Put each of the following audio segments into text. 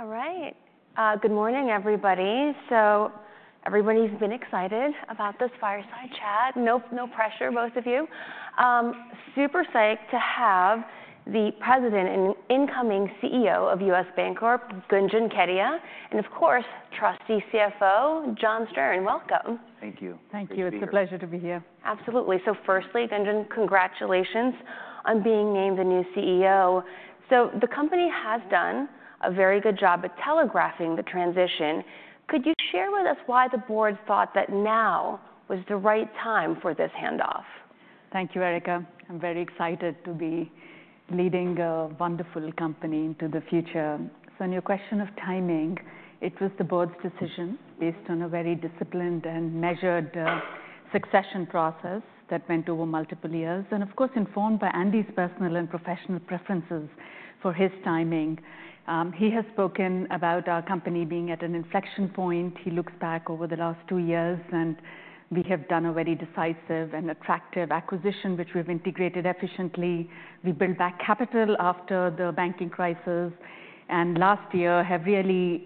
All right. Good morning, everybody. So everybody's been excited about this fireside chat. No pressure, both of you. Super psyched to have the President and incoming CEO of U.S. Bancorp, Gunjan Kedia, and of course, trusted CFO, John Stern. Welcome. Thank you. Thank you. It's a pleasure to be here. Absolutely. So firstly, Gunjan, congratulations on being named the new CEO. So the company has done a very good job at telegraphing the transition. Could you share with us why the board thought that now was the right time for this handoff? Thank you, Erika. I'm very excited to be leading a wonderful company into the future. So on your question of timing, it was the board's decision based on a very disciplined and measured succession process that went over multiple years. And of course, informed by Andy's personal and professional preferences for his timing. He has spoken about our company being at an inflection point. He looks back over the last two years, and we have done a very decisive and attractive acquisition, which we've integrated efficiently. We built back capital after the banking crisis. And last year, have really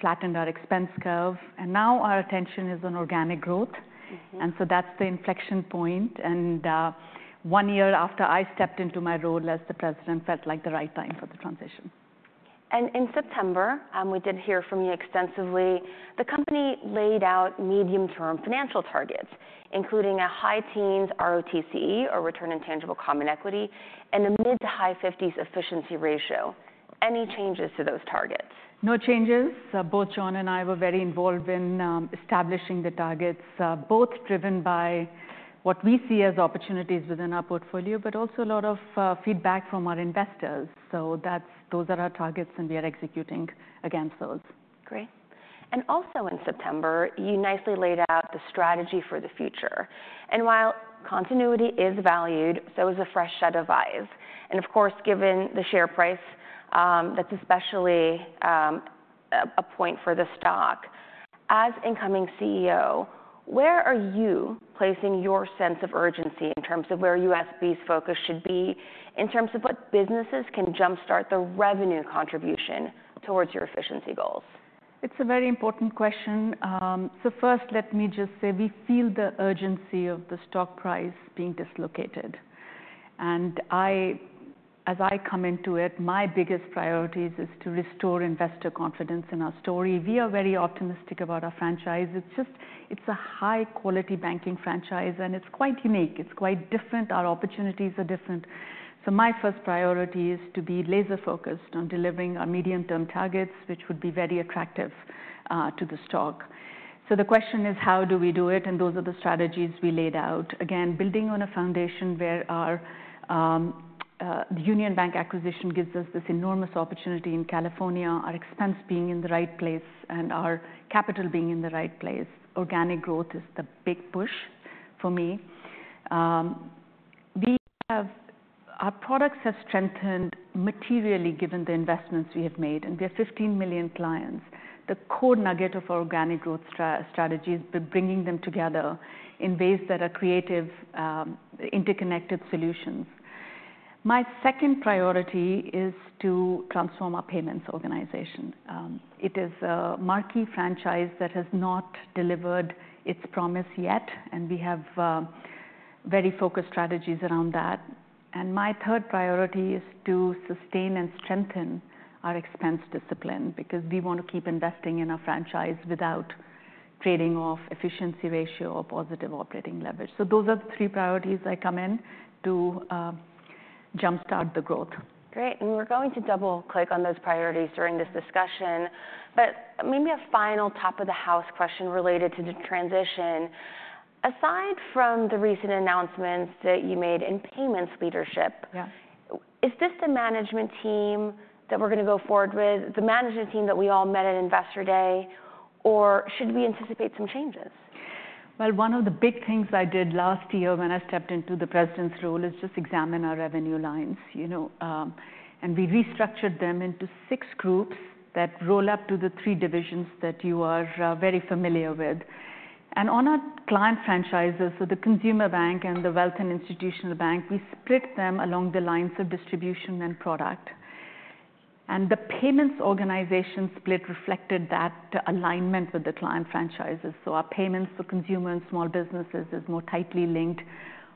flattened our expense curve. And now our attention is on organic growth. And so that's the inflection point. And one year after I stepped into my role as the president, felt like the right time for the transition. In September, we did hear from you extensively. The company laid out medium-term financial targets, including a high teens ROTCE, or Return on Tangible Common Equity, and a mid to high 50s efficiency ratio. Any changes to those targets? No changes. Both John and I were very involved in establishing the targets, both driven by what we see as opportunities within our portfolio, but also a lot of feedback from our investors. So those are our targets, and we are executing against those. Great. And also in September, you nicely laid out the strategy for the future. And while continuity is valued, so is a fresh set of eyes. And of course, given the share price, that's especially a point for the stock. As incoming CEO, where are you placing your sense of urgency in terms of where U.S. Bank's focus should be in terms of what businesses can jumpstart the revenue contribution towards your efficiency goals? It's a very important question. So first, let me just say we feel the urgency of the stock price being dislocated, and as I come into it, my biggest priorities is to restore investor confidence in our story. We are very optimistic about our franchise. It's just it's a high-quality banking franchise, and it's quite unique. It's quite different. Our opportunities are different, so my first priority is to be laser-focused on delivering our medium-term targets, which would be very attractive to the stock, so the question is, how do we do it, and those are the strategies we laid out. Again, building on a foundation where our Union Bank acquisition gives us this enormous opportunity in California, our expense being in the right place and our capital being in the right place. Organic growth is the big push for me. Our products have strengthened materially given the investments we have made, and we have 15 million clients. The core nugget of our organic growth strategy has been bringing them together in ways that are creative, interconnected solutions. My second priority is to transform our payments organization. It is a marquee franchise that has not delivered its promise yet, and we have very focused strategies around that, and my third priority is to sustain and strengthen our expense discipline because we want to keep investing in our franchise without trading off efficiency ratio or positive operating leverage, so those are the three priorities I come in to jumpstart the growth. Great. And we're going to double-click on those priorities during this discussion. But maybe a final top-of-the-house question related to the transition. Aside from the recent announcements that you made in payments leadership, is this the management team that we're going to go forward with, the management team that we all met at Investor Day, or should we anticipate some changes? One of the big things I did last year when I stepped into the president's role is just examine our revenue lines. We restructured them into six groups that roll up to the three divisions that you are very familiar with. On our client franchises, so the Consumer Bank and the Wealth and Institutional Bank, we split them along the lines of distribution and product. The payments organization split reflected that alignment with the client franchises. Our payments for consumer and small businesses is more tightly linked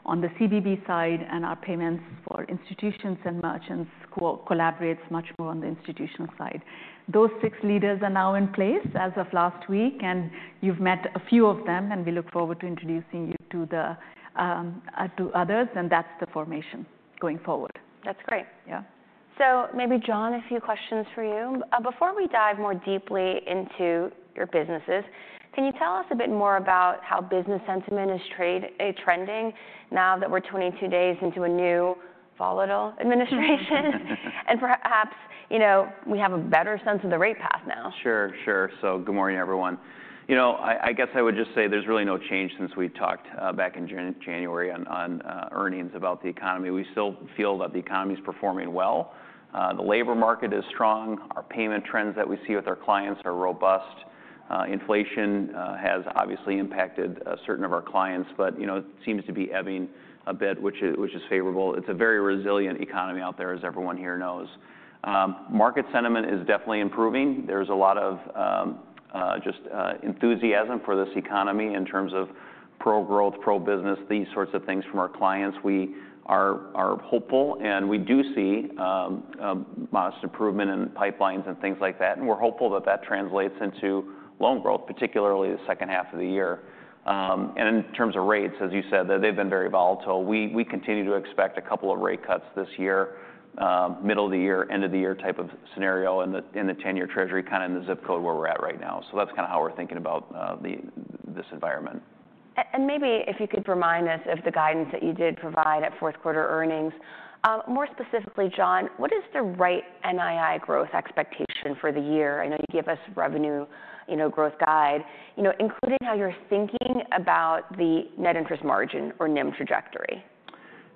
on the CBB side, and our payments for institutions and merchants collaborates much more on the institutional side. Those six leaders are now in place as of last week, and you've met a few of them, and we look forward to introducing you to others. That's the formation going forward. That's great. Yeah. Maybe, John, a few questions for you. Before we dive more deeply into your businesses, can you tell us a bit more about how business sentiment is trending now that we're 22 days into a new volatile administration, and perhaps we have a better sense of the rate path now. Sure, sure. So good morning, everyone. You know, I guess I would just say there's really no change since we talked back in January on earnings about the economy. We still feel that the economy is performing well. The labor market is strong. Our payment trends that we see with our clients are robust. Inflation has obviously impacted certain of our clients, but it seems to be ebbing a bit, which is favorable. It's a very resilient economy out there, as everyone here knows. Market sentiment is definitely improving. There's a lot of just enthusiasm for this economy in terms of pro-growth, pro-business, these sorts of things from our clients. We are hopeful, and we do see modest improvement in pipelines and things like that. And we're hopeful that that translates into loan growth, particularly the second half of the year. In terms of rates, as you said, they've been very volatile. We continue to expect a couple of rate cuts this year, middle of the year, end of the year type of scenario in the 10-Year Treasury, kind of in the zip code where we're at right now. That's kind of how we're thinking about this environment. And maybe if you could remind us of the guidance that you did provide at fourth quarter earnings. More specifically, John, what is the right NII growth expectation for the year? I know you gave us revenue growth guide, including how you're thinking about the net interest margin or NIM trajectory.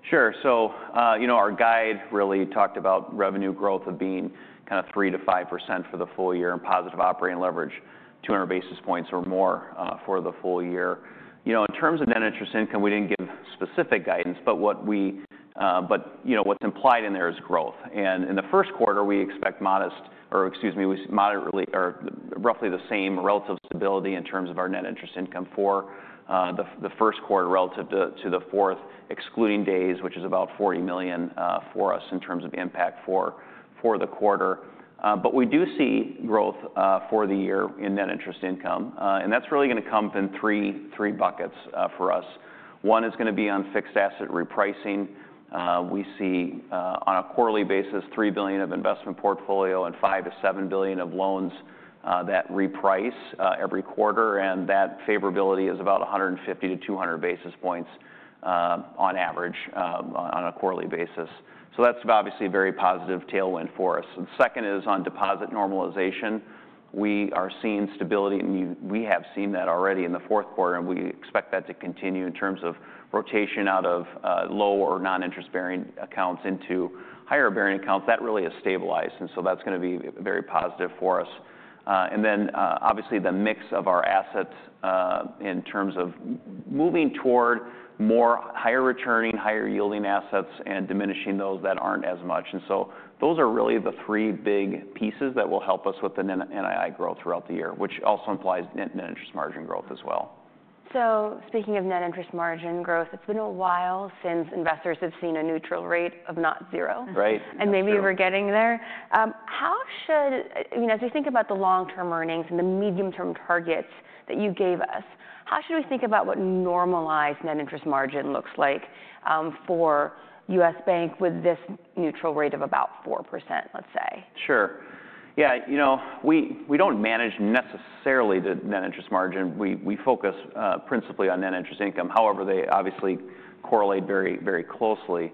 Sure. So our guide really talked about revenue growth of being kind of 3%-5% for the full year and positive operating leverage, 200 basis points or more for the full year. In terms of net interest income, we didn't give specific guidance, but what's implied in there is growth. And in the first quarter, we expect modest or, excuse me, roughly the same relative stability in terms of our net interest income for the first quarter relative to the fourth, excluding days, which is about $40 million for us in terms of impact for the quarter. But we do see growth for the year in net interest income. And that's really going to come in three buckets for us. One is going to be on fixed asset repricing. We see on a quarterly basis $3 billion of investment portfolio and $5 billion-$7 billion of loans that reprice every quarter. And that favorability is about 150 to 200 basis points on average on a quarterly basis. So that's obviously a very positive tailwind for us. The second is on deposit normalization. We are seeing stability, and we have seen that already in the fourth quarter. And we expect that to continue in terms of rotation out of low or non-interest bearing accounts into higher bearing accounts. That really has stabilized. And so that's going to be very positive for us. And then obviously the mix of our assets in terms of moving toward more higher returning, higher yielding assets and diminishing those that aren't as much. Those are really the three big pieces that will help us with the NII growth throughout the year, which also implies net interest margin growth as well. Speaking of Net Interest Margin growth, it's been a while since investors have seen a neutral rate of not zero. Right. Maybe we're getting there. How should, as we think about the long-term earnings and the medium-term targets that you gave us, how should we think about what normalized net interest margin looks like for U.S. Bank with this neutral rate of about 4%, let's say? Sure. Yeah. You know, we don't manage necessarily the net interest margin. We focus principally on net interest income. However, they obviously correlate very, very closely.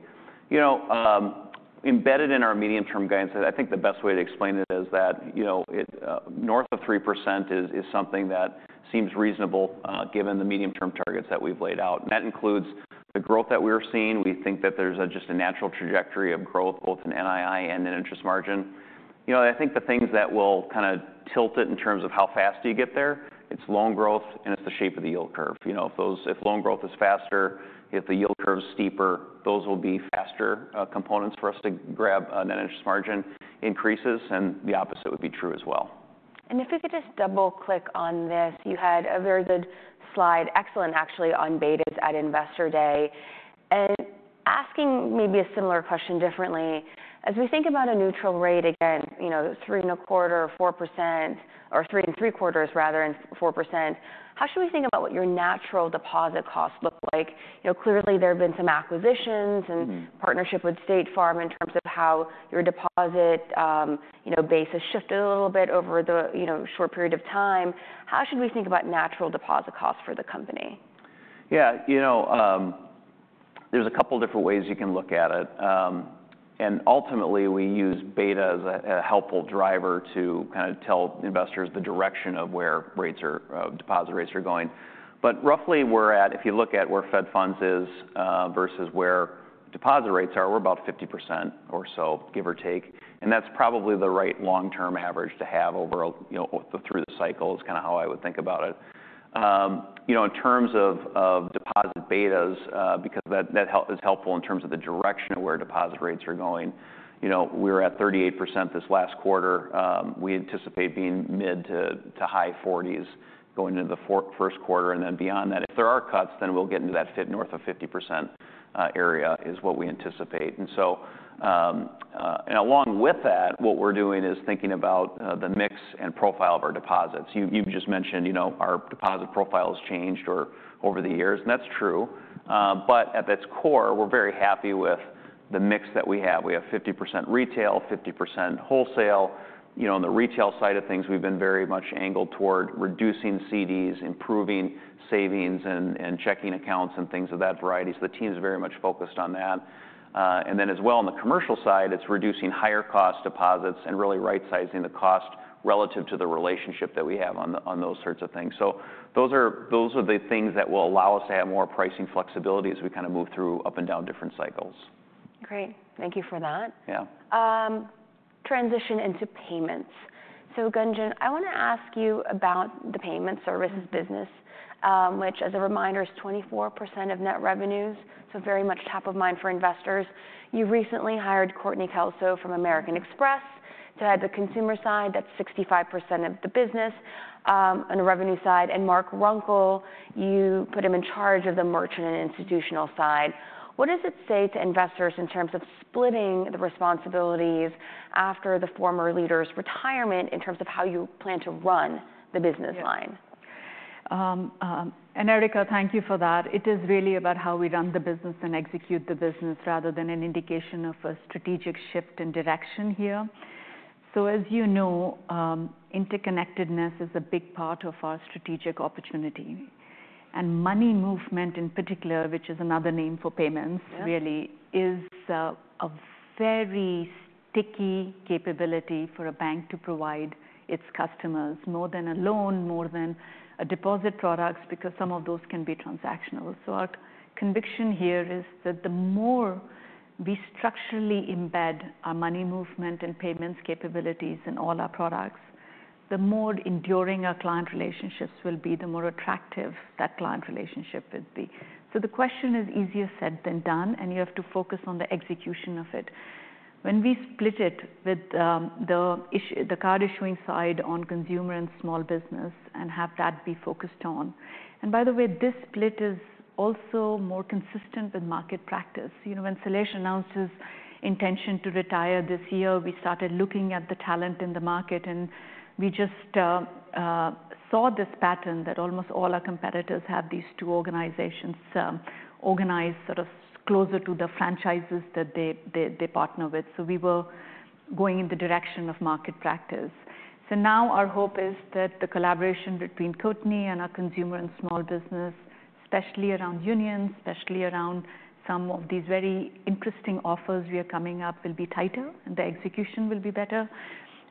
Embedded in our medium-term guidance, I think the best way to explain it is that north of 3% is something that seems reasonable given the medium-term targets that we've laid out, and that includes the growth that we're seeing. We think that there's just a natural trajectory of growth, both in NII and in interest margin. I think the things that will kind of tilt it in terms of how fast do you get there, it's loan growth and it's the shape of the yield curve. If loan growth is faster, if the yield curve is steeper, those will be faster components for us to grab net interest margin increases, and the opposite would be true as well. If we could just double-click on this, you had a very good slide, excellent actually, on betas at Investor Day. Asking maybe a similar question differently, as we think about a neutral rate again, 3.25% or 4% or 3.75% rather than 4%, how should we think about what your natural deposit costs look like? Clearly, there have been some acquisitions and partnership with State Farm in terms of how your deposit base has shifted a little bit over the short period of time. How should we think about natural deposit costs for the company? Yeah. You know, there's a couple of different ways you can look at it. And ultimately, we use beta as a helpful driver to kind of tell investors the direction of where deposit rates are going. But roughly, if you look at where Fed funds is versus where deposit rates are, we're about 50% or so, give or take. And that's probably the right long-term average to have over through the cycle is kind of how I would think about it. In terms of deposit betas, because that is helpful in terms of the direction of where deposit rates are going, we were at 38% this last quarter. We anticipate being mid- to high 40s going into the first quarter and then beyond that. If there are cuts, then we'll get into that fit north of 50% area is what we anticipate. And so along with that, what we're doing is thinking about the mix and profile of our deposits. You've just mentioned our deposit profile has changed over the years. And that's true. But at its core, we're very happy with the mix that we have. We have 50% retail, 50% wholesale. On the retail side of things, we've been very much angled toward reducing CDs, improving savings, and checking accounts and things of that variety. So the team's very much focused on that. And then as well on the commercial side, it's reducing higher cost deposits and really right-sizing the cost relative to the relationship that we have on those sorts of things. So those are the things that will allow us to have more pricing flexibility as we kind of move through up and down different cycles. Great. Thank you for that. Yeah. Transition into payments. So Gunjan, I want to ask you about the Payment Services business, which as a reminder is 24% of net revenues, so very much top of mind for investors. You recently hired Courtney Kelso from American Express. So at the consumer side, that's 65% of the business on the revenue side. And Mark Runkel, you put him in charge of the merchant and institutional side. What does it say to investors in terms of splitting the responsibilities after the former leader's retirement in terms of how you plan to run the business line? Erika, thank you for that. It is really about how we run the business and execute the business rather than an indication of a strategic shift in direction here. So as you know, interconnectedness is a big part of our strategic opportunity. And money movement in particular, which is another name for payments really, is a very sticky capability for a bank to provide its customers, more than a loan, more than a deposit products, because some of those can be transactional. So our conviction here is that the more we structurally embed our money movement and payments capabilities in all our products, the more enduring our client relationships will be, the more attractive that client relationship will be. So the question is easier said than done, and you have to focus on the execution of it. When we split it with the card issuing side on consumer and small business and have that be focused on. And by the way, this split is also more consistent with market practice. When Shailesh announced his intention to retire this year, we started looking at the talent in the market, and we just saw this pattern that almost all our competitors have these two organizations organized sort of closer to the franchises that they partner with. So we were going in the direction of market practice. So now our hope is that the collaboration between Courtney and our consumer and small business, especially around Union's, especially around some of these very interesting offers we are coming up, will be tighter and the execution will be better.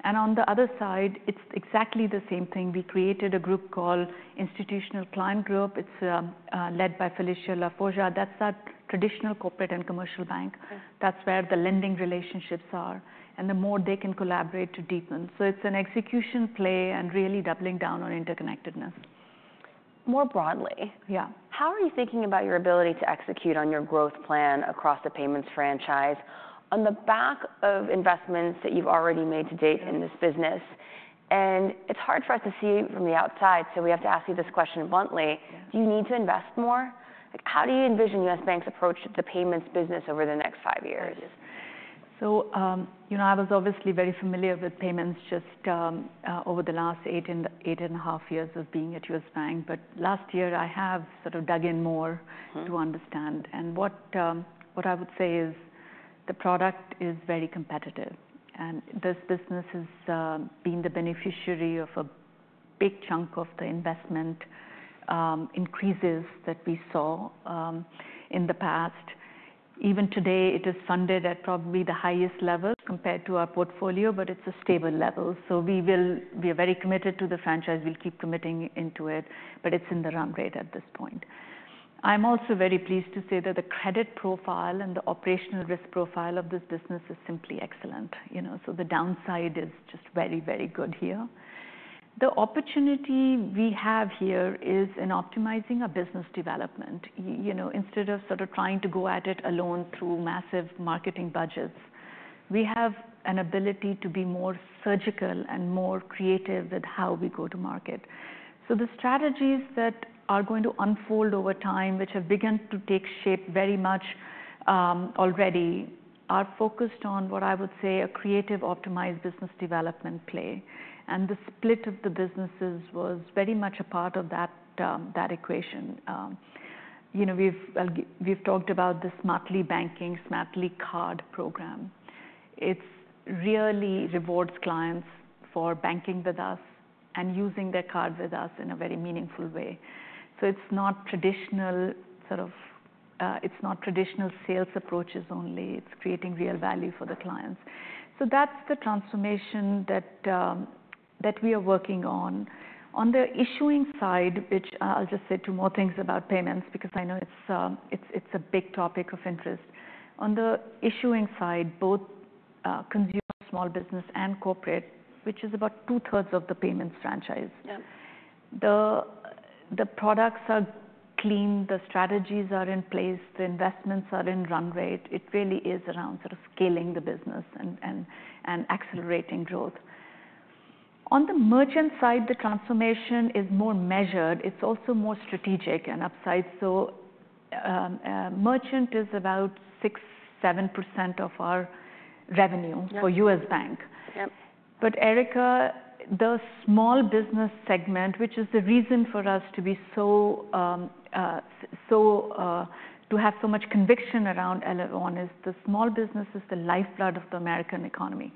And on the other side, it's exactly the same thing. We created a group called Institutional Client Group. It's led by Felicia LaForgia. That's our traditional corporate and commercial bank. That's where the lending relationships are, and the more they can collaborate to deepen, so it's an execution play and really doubling down on interconnectedness. More broadly, yeah, how are you thinking about your ability to execute on your growth plan across the payments franchise on the back of investments that you've already made to date in this business? And it's hard for us to see from the outside, so we have to ask you this question bluntly. Do you need to invest more? How do you envision U.S. Bank's approach to the payments business over the next five years? I was obviously very familiar with payments just over the last eight and a half years of being at U.S. Bank. But last year, I have sort of dug in more to understand. What I would say is the product is very competitive. This business has been the beneficiary of a big chunk of the investment increases that we saw in the past. Even today, it is funded at probably the highest level compared to our portfolio, but it's a stable level. We are very committed to the franchise. We'll keep committing into it, but it's in the run rate at this point. I'm also very pleased to say that the credit profile and the operational risk profile of this business is simply excellent. The downside is just very, very good here. The opportunity we have here is in optimizing our business development. Instead of sort of trying to go at it alone through massive marketing budgets, we have an ability to be more surgical and more creative with how we go to market. So the strategies that are going to unfold over time, which have begun to take shape very much already, are focused on what I would say a creative optimized business development play. And the split of the businesses was very much a part of that equation. We've talked about the Smartly Banking, Smartly Card program. It really rewards clients for banking with us and using their card with us in a very meaningful way. So it's not traditional sort of sales approaches only. It's creating real value for the clients. So that's the transformation that we are working on. On the issuing side, which I'll just say two more things about payments because I know it's a big topic of interest. On the issuing side, both consumer small business and corporate, which is about two-thirds of the payments franchise. The products are clean. The strategies are in place. The investments are in run rate. It really is around sort of scaling the business and accelerating growth. On the merchant side, the transformation is more measured. It's also more strategic and upside. So merchant is about 6%, 7% of our revenue for U.S. Bank. But Erika, the small business segment, which is the reason for us to have so much conviction around Elavon, is the lifeblood of the American economy.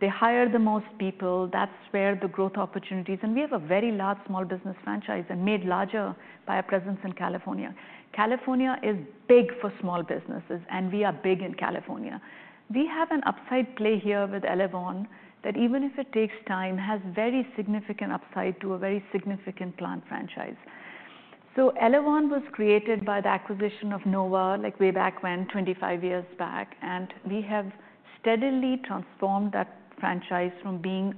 They hire the most people. That's where the growth opportunities. We have a very large small business franchise, made larger by our presence in California. California is big for small businesses, and we are big in California. We have an upside play here with Elavon that even if it takes time, has very significant upside to a very significant platform franchise. So Elavon was created by the acquisition of Nova way back when, 25 years back. And we have steadily transformed that franchise from being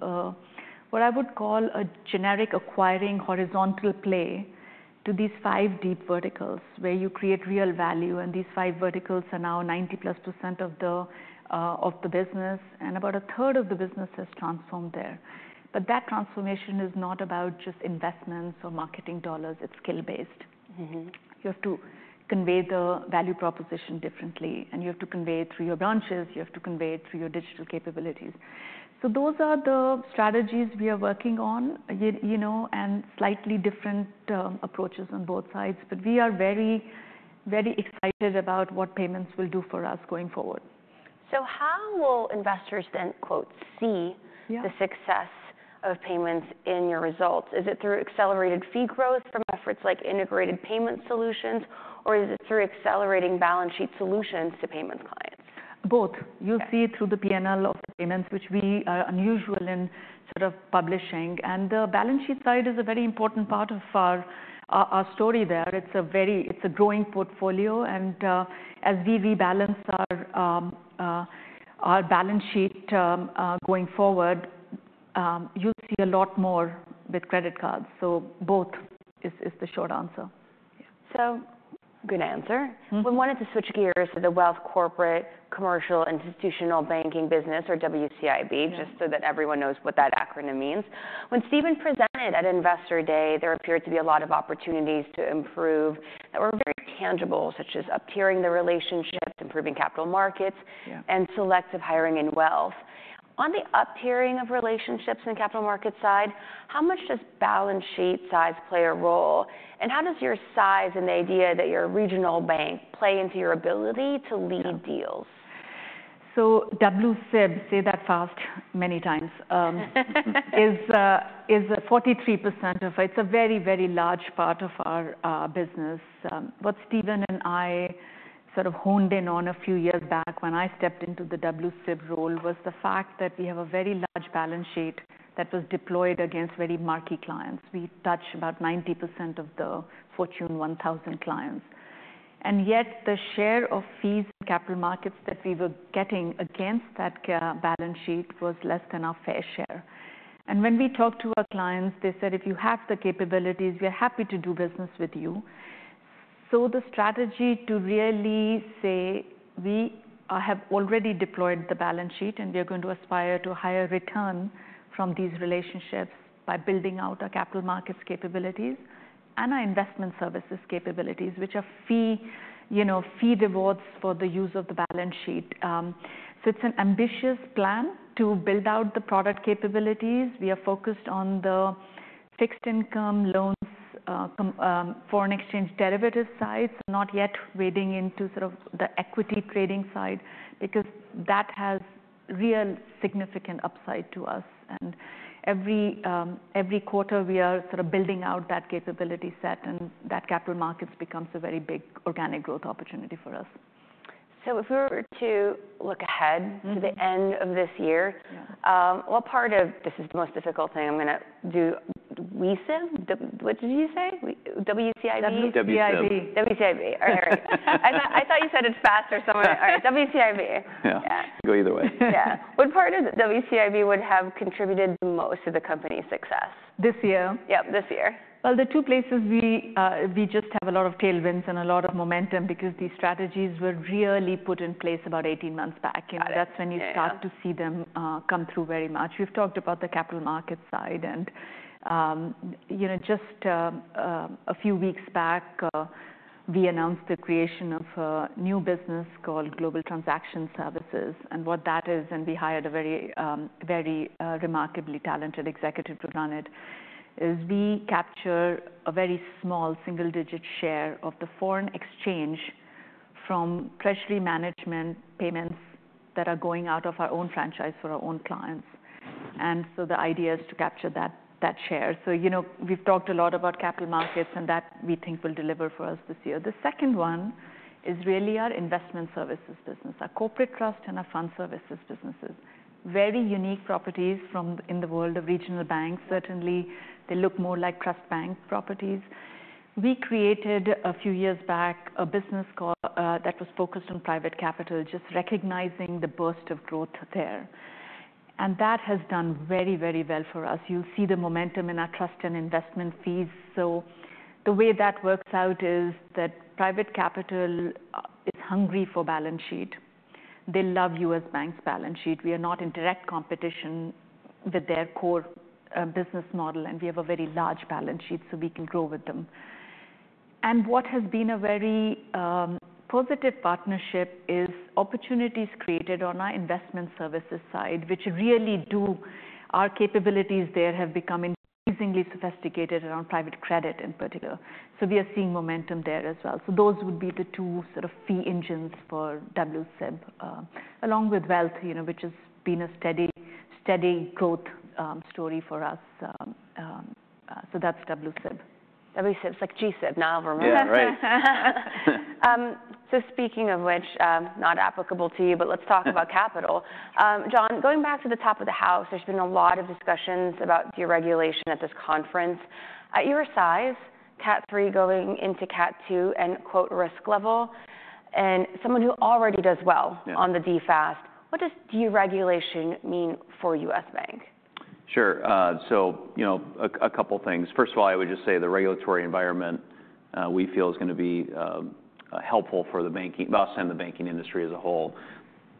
what I would call a generic acquiring horizontal play to these five deep verticals where you create real value. And these five verticals are now 90% plus of the business. And about a third of the business has transformed there. But that transformation is not about just investments or marketing dollars. It's skill-based. You have to convey the value proposition differently. And you have to convey it through your branches. You have to convey it through your digital capabilities. So those are the strategies we are working on and slightly different approaches on both sides. But we are very, very excited about what payments will do for us going forward. So how will investors then "see" the success of payments in your results? Is it through accelerated fee growth from efforts like integrated payment solutions, or is it through accelerating balance sheet solutions to payments clients? Both. You'll see it through the P&L of the payments, which we are unusual in sort of publishing. And the balance sheet side is a very important part of our story there. It's a growing portfolio. And as we rebalance our balance sheet going forward, you'll see a lot more with credit cards. So both is the short answer. So good answer. We wanted to switch gears to the Wealth Corporate Commercial Institutional Banking Business, or WCIB, just so that everyone knows what that acronym means. When Stephen presented at Investor Day, there appeared to be a lot of opportunities to improve that were very tangible, such as up-tiering the relationships, improving capital markets, and selective hiring in wealth. On the up-tiering of relationships and capital market side, how much does balance sheet size play a role? And how does your size and the idea that you're a regional bank play into your ability to lead deals? So WCIB, say that fast many times, is 43% of it. It's a very, very large part of our business. What Stephen and I sort of honed in on a few years back when I stepped into the WCIB role was the fact that we have a very large balance sheet that was deployed against very marquee clients. We touch about 90% of the Fortune 1000 clients. And yet the share of fees and capital markets that we were getting against that balance sheet was less than our fair share. And when we talk to our clients, they said, if you have the capabilities, we are happy to do business with you. So the strategy to really say we have already deployed the balance sheet and we are going to aspire to a higher return from these relationships by building out our capital markets capabilities and our Investment Services capabilities, which are fee revenue for the use of the balance sheet. So it's an ambitious plan to build out the product capabilities. We are focused on the fixed income loans, foreign exchange derivative side, so not yet wading into sort of the equity trading side because that has real significant upside to us. And every quarter, we are sort of building out that capability set and that capital markets becomes a very big organic growth opportunity for us. So if we were to look ahead to the end of this year, what part of this is the most difficult thing I'm going to do? WCIB? What did you say? WCIB? WCIB. WCIB. All right. I thought you said it's faster. WCIB. Yeah. Go either way. Yeah. What part of WCIB would have contributed the most to the company's success? This year. Yep, this year. The two places we just have a lot of tailwinds and a lot of momentum because these strategies were really put in place about 18 months back, and that's when you start to see them come through very much. We have talked about the capital market side, and just a few weeks back, we announced the creation of a new business called Global Transaction Services, and what that is, and we hired a very remarkably talented executive to run it, is we capture a very small single-digit share of the foreign exchange from treasury management payments that are going out of our own franchise for our own clients, and so the idea is to capture that share, so we have talked a lot about capital markets and that we think will deliver for us this year. The second one is really our Investment Services business, our Corporate Trust and our Fund Services businesses. Very unique properties from within the world of regional banks. Certainly, they look more like trust bank properties. We created a few years back a business that was focused on private capital, just recognizing the burst of growth there. And that has done very, very well for us. You'll see the momentum in our trust and investment fees. So the way that works out is that private capital is hungry for balance sheet. They love U.S. Bank's balance sheet. We are not in direct competition with their core business model, and we have a very large balance sheet, so we can grow with them. And what has been a very positive partnership is opportunities created on our Investment Services side, which really do our capabilities there have become increasingly sophisticated around private credit in particular. So we are seeing momentum there as well. So those would be the two sort of fee engines for WCIB, along with Wealth, which has been a steady growth story for us. So that's WCIB. WCIB, it's like GCIB now, remember? Yeah, right. So speaking of which, not applicable to you, but let's talk about capital. John, going back to the top of the house, there's been a lot of discussions about deregulation at this conference. At your size, Category III going into Category II and "risk level," and someone who already does well on the DFAST, what does deregulation mean for U.S. Bank? Sure. A couple of things. First of all, I would just say the regulatory environment we feel is going to be helpful for the banking and the banking industry as a whole.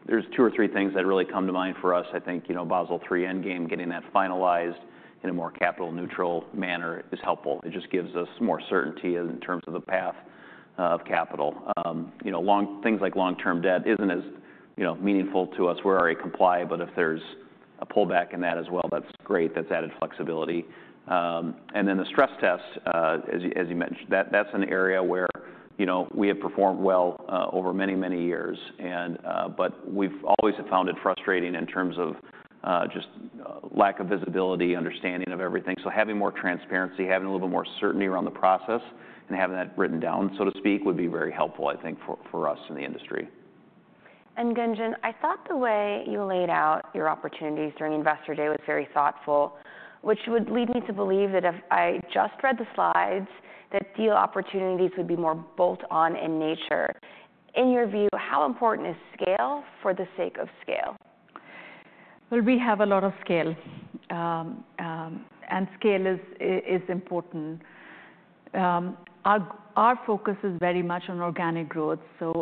There are two or three things that really come to mind for us. I think Basel III Endgame, getting that finalized in a more capital-neutral manner is helpful. It just gives us more certainty in terms of the path of capital. Things like long-term debt are not as meaningful to us. We are already compliant. But if there is a pullback in that as well, that is great. That is added flexibility. And then the stress test, as you mentioned, that is an area where we have performed well over many, many years. But we have always found it frustrating in terms of just lack of visibility, understanding of everything. So having more transparency, having a little bit more certainty around the process, and having that written down, so to speak, would be very helpful, I think, for us in the industry. Gunjan, I thought the way you laid out your opportunities during Investor Day was very thoughtful, which would lead me to believe that if I just read the slides, that deal opportunities would be more bolt-on in nature. In your view, how important is scale for the sake of scale? We have a lot of scale. Scale is important. Our focus is very much on organic growth.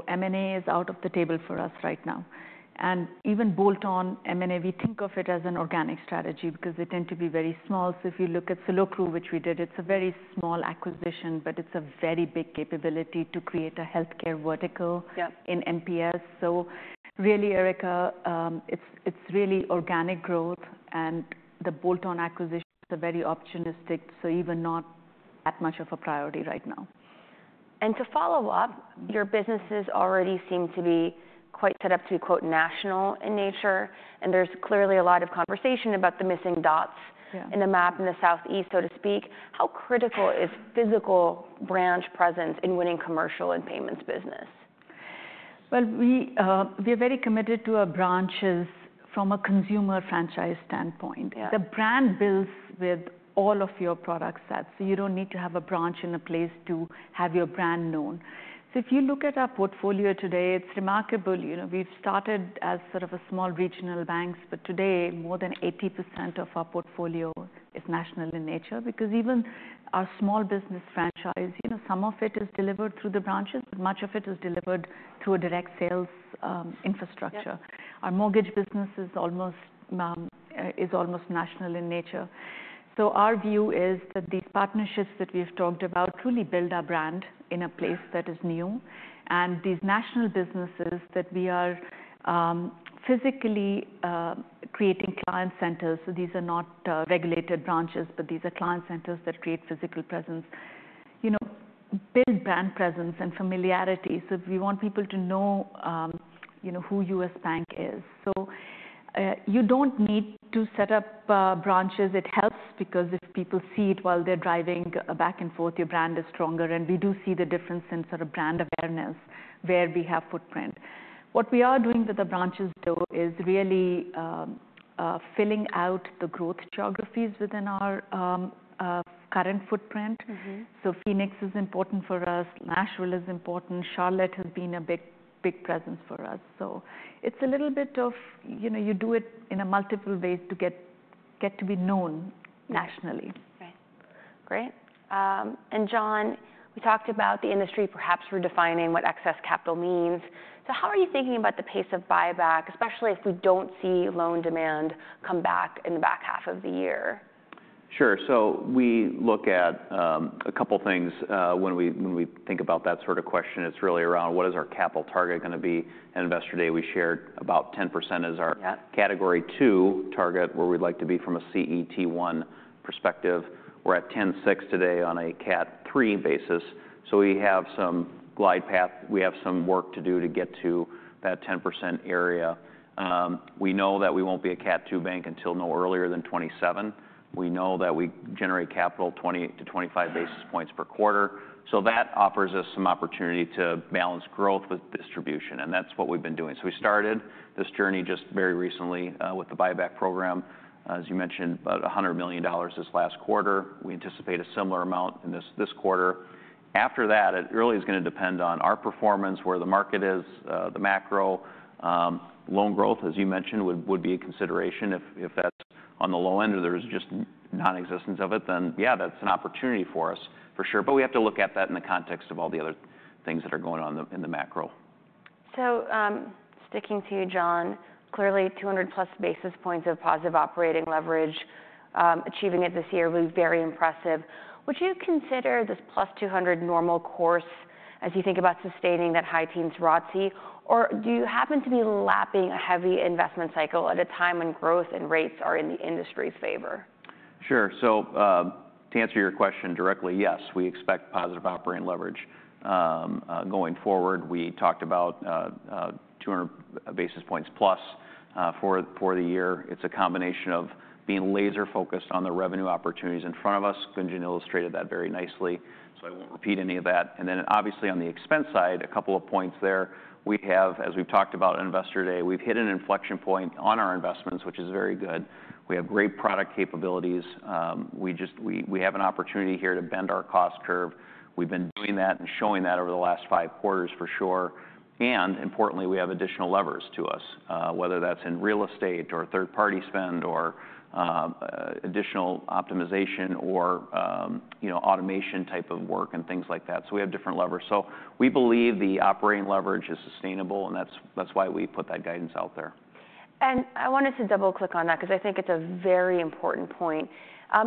M&A is out of the table for us right now. Even bolt-on M&A, we think of it as an organic strategy because they tend to be very small. If you look at Salucro, which we did, it's a very small acquisition, but it's a very big capability to create a healthcare vertical in MPS. Really, Erika, it's really organic growth. The bolt-on acquisition is very opportunistic, so even not that much of a priority right now. And to follow up, your businesses already seem to be quite set up to be "national" in nature. And there's clearly a lot of conversation about the missing dots in the map in the Southeast, so to speak. How critical is physical branch presence in winning commercial and payments business? We are very committed to our branches from a consumer franchise standpoint. The brand builds with all of your product sets. You don't need to have a branch in a place to have your brand known. If you look at our portfolio today, it's remarkable. We've started as sort of a small regional bank, but today, more than 80% of our portfolio is national in nature because even our small business franchise, some of it is delivered through the branches, but much of it is delivered through a direct sales infrastructure. Our mortgage business is almost national in nature. Our view is that these partnerships that we've talked about truly build our brand in a place that is new. And these national businesses that we are physically creating client centers, so these are not regulated branches, but these are client centers that create physical presence, build brand presence and familiarity. So we want people to know who U.S. Bank is. So you don't need to set up branches. It helps because if people see it while they're driving back and forth, your brand is stronger. And we do see the difference in sort of brand awareness where we have footprint. What we are doing with the branches, though, is really filling out the growth geographies within our current footprint. So Phoenix is important for us. Nashville is important. Charlotte has been a big presence for us. So it's a little bit of you do it in multiple ways to get to be known nationally. Right. Great. And John, we talked about the industry perhaps redefining what excess capital means. So how are you thinking about the pace of buyback, especially if we don't see loan demand come back in the back half of the year? Sure. So we look at a couple of things when we think about that sort of question. It's really around what is our capital target going to be? At Investor Day, we shared about 10% as our Category II target where we'd like to be from a CET1 perspective. We're at 10.6% today on a Cat III basis. So we have some glide path. We have some work to do to get to that 10% area. We know that we won't be a Cat II bank until no earlier than 2027. We know that we generate capital 20-25 basis points per quarter. So that offers us some opportunity to balance growth with distribution. And that's what we've been doing. So we started this journey just very recently with the buyback program. As you mentioned, about $100 million this last quarter. We anticipate a similar amount in this quarter. After that, it really is going to depend on our performance, where the market is, the macro. Loan growth, as you mentioned, would be a consideration. If that's on the low end or there is just non-existence of it, then yeah, that's an opportunity for us for sure. But we have to look at that in the context of all the other things that are going on in the macro. So sticking to you, John, clearly 200+ basis points of positive operating leverage, achieving it this year will be very impressive. Would you consider this 200+ normal course as you think about sustaining that high teens ROTCE, or do you happen to be lapping a heavy investment cycle at a time when growth and rates are in the industry's favor? Sure. So to answer your question directly, yes, we expect positive operating leverage going forward. We talked about 200 basis points plus for the year. It's a combination of being laser-focused on the revenue opportunities in front of us. Gunjan illustrated that very nicely. So I won't repeat any of that. And then obviously on the expense side, a couple of points there. We have, as we've talked about at Investor Day, we've hit an inflection point on our investments, which is very good. We have great product capabilities. We have an opportunity here to bend our cost curve. We've been doing that and showing that over the last five quarters for sure. And importantly, we have additional levers to us, whether that's in real estate or third-party spend or additional optimization or automation type of work and things like that. So we have different levers. So we believe the operating leverage is sustainable, and that's why we put that guidance out there. And I wanted to double-click on that because I think it's a very important point.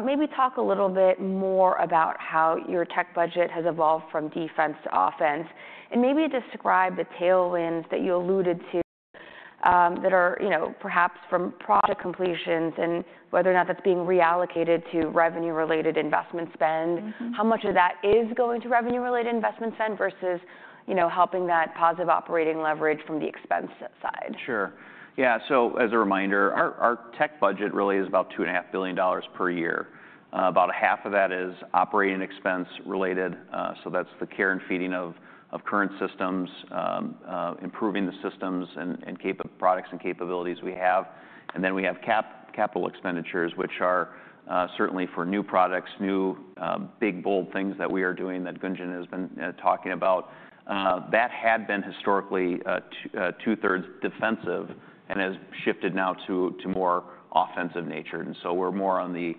Maybe talk a little bit more about how your tech budget has evolved from defense to offense. And maybe describe the tailwinds that you alluded to that are perhaps from project completions and whether or not that's being reallocated to revenue-related investment spend. How much of that is going to revenue-related investment spend versus helping that positive operating leverage from the expense side? Sure. Yeah. So as a reminder, our tech budget really is about $2.5 billion per year. About half of that is operating expense related. So that's the care and feeding of current systems, improving the systems and products and capabilities we have. And then we have capital expenditures, which are certainly for new products, new big, bold things that we are doing that Gunjan has been talking about. That had been historically two-thirds defensive and has shifted now to more offensive nature. And so we're more on the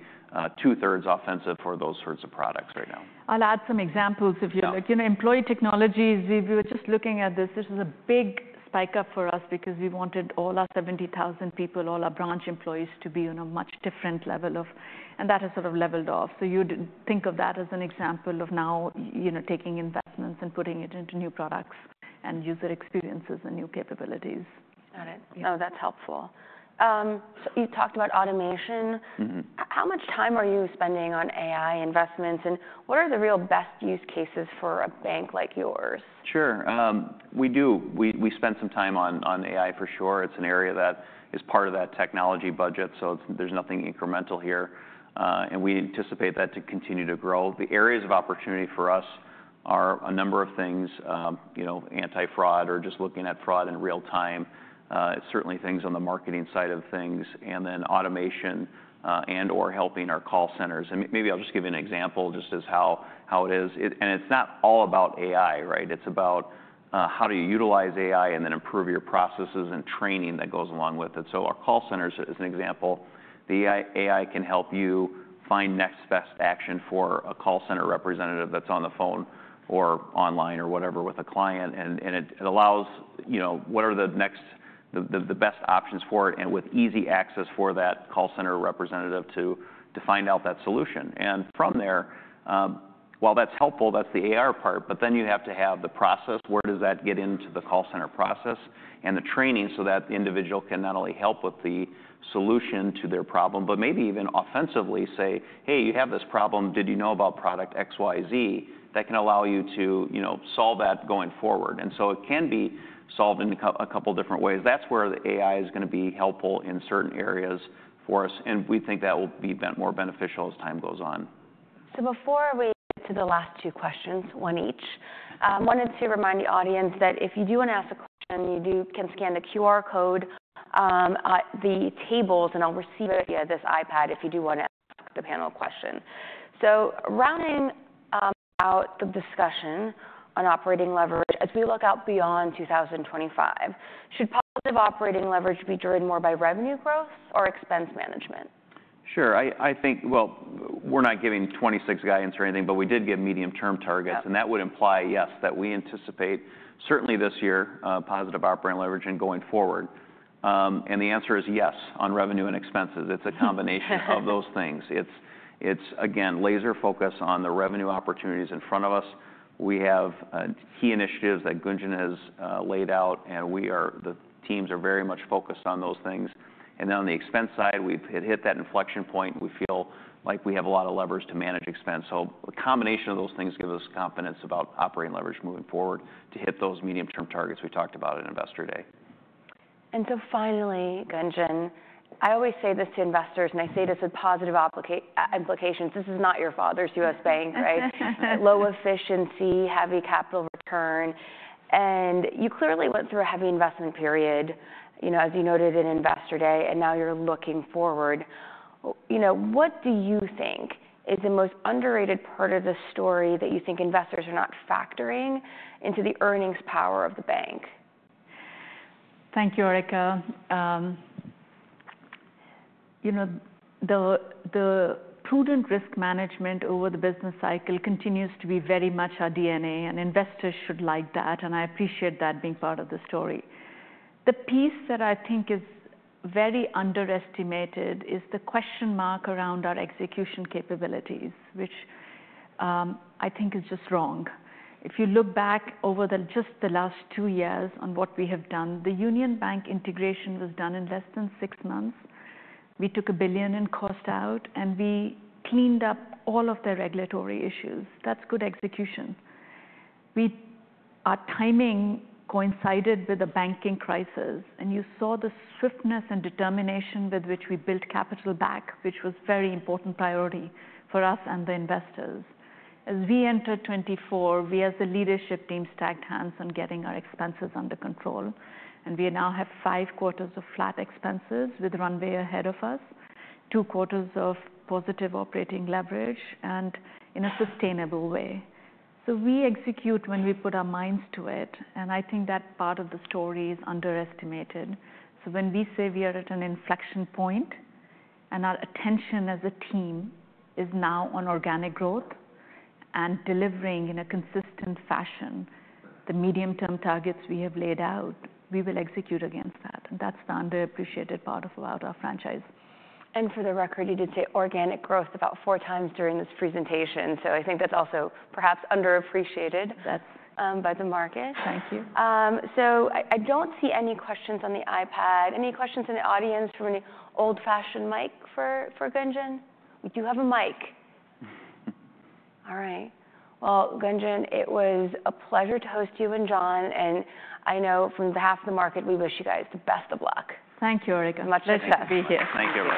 two-thirds offensive for those sorts of products right now. I'll add some examples if you like. Employee technologies, we were just looking at this. This was a big spike up for us because we wanted all our 70,000 people, all our branch employees to be on a much different level of, and that has sort of leveled off. So you'd think of that as an example of now taking investments and putting it into new products and user experiences and new capabilities. Got it. No, that's helpful. You talked about automation. How much time are you spending on AI investments, and what are the real best use cases for a bank like yours? Sure. We do. We spend some time on AI for sure. It's an area that is part of that technology budget, so there's nothing incremental here, and we anticipate that to continue to grow. The areas of opportunity for us are a number of things: anti-fraud or just looking at fraud in real time, certainly things on the marketing side of things, and then automation and/or helping our call centers. Maybe I'll just give you an example just as how it is, and it's not all about AI, right? It's about how do you utilize AI and then improve your processes and training that goes along with it. Our call centers as an example, the AI can help you find next best action for a call center representative that's on the phone or online or whatever with a client. And it allows what are the best options for it and with easy access for that call center representative to find out that solution. And from there, while that's helpful, that's the AI part. But then you have to have the process. Where does that get into the call center process and the training so that the individual can not only help with the solution to their problem, but maybe even offensively say, "Hey, you have this problem. Did you know about product XYZ?" That can allow you to solve that going forward. And so it can be solved in a couple of different ways. That's where the AI is going to be helpful in certain areas for us. And we think that will be more beneficial as time goes on. So before we get to the last two questions, one each, I wanted to remind the audience that if you do want to ask a question, you can scan the QR code at the tables, and I'll receive it via this iPad if you do want to ask the panel a question. So rounding out the discussion on operating leverage, as we look out beyond 2025, should positive operating leverage be driven more by revenue growth or expense management? Sure. I think, well, we're not giving Q2 guidance or anything, but we did give medium-term targets, and that would imply, yes, that we anticipate certainly this year positive operating leverage and going forward, and the answer is yes on revenue and expenses. It's a combination of those things. It's, again, laser focus on the revenue opportunities in front of us. We have key initiatives that Gunjan has laid out, and the teams are very much focused on those things, and then on the expense side, we've hit that inflection point. We feel like we have a lot of levers to manage expense, so a combination of those things gives us confidence about operating leverage moving forward to hit those medium-term targets we talked about at Investor Day. And so finally, Gunjan, I always say this to investors, and I say this with positive implications. This is not your father's U.S. Bank, right? Low efficiency, heavy capital return. And you clearly went through a heavy investment period, as you noted in Investor Day, and now you're looking forward. What do you think is the most underrated part of the story that you think investors are not factoring into the earnings power of the bank? Thank you, Erika. The prudent risk management over the business cycle continues to be very much our DNA, and investors should like that. And I appreciate that being part of the story. The piece that I think is very underestimated is the question mark around our execution capabilities, which I think is just wrong. If you look back over just the last two years on what we have done, the Union Bank integration was done in less than six months. We took $1 billion in cost out, and we cleaned up all of their regulatory issues. That's good execution. Our timing coincided with a banking crisis, and you saw the swiftness and determination with which we built capital back, which was a very important priority for us and the investors. As we entered 2024, we as the leadership team shook hands on getting our expenses under control. We now have five quarters of flat expenses with runway ahead of us, two quarters of positive operating leverage, and in a sustainable way. We execute when we put our minds to it. I think that part of the story is underestimated. When we say we are at an inflection point and our attention as a team is now on organic growth and delivering in a consistent fashion, the medium-term targets we have laid out, we will execute against that. That's the underappreciated part of our franchise. For the record, you did say organic growth about four times during this presentation. I think that's also perhaps underappreciated by the market. Thank you. So I don't see any questions on the iPad. Any questions in the audience from any old-fashioned mic for Gunjan? We do have a mic. All right. Well, Gunjan, it was a pleasure to host you and John. And I know on behalf of the market, we wish you guys the best of luck. Thank you, Erika. Much luck to be here. Thank you.